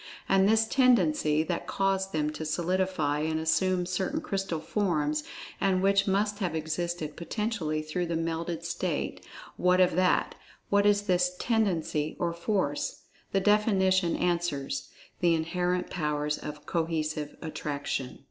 And this "tendency" that caused them to solidify, and assume certain crystal forms, and which must have existed potentially through the melted state—what of that, what is this "tendency" or force. The definition answers: "the inherent powers of cohesive attraction."